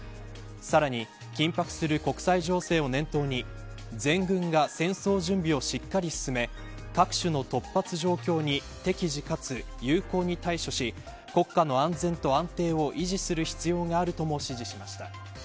さらに緊迫する国際情勢を念頭に全軍が戦争準備をしっかり進め各種の突発状況に適時、かつ有効に対処し国家の安全と安定を維持する必要があるとも指示しました。